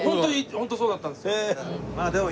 ホントにそうだったんですよ。